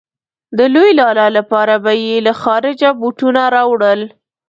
د لوی لالا لپاره به يې له خارجه بوټونه راوړل.